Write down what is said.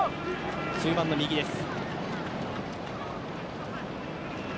中盤の右です。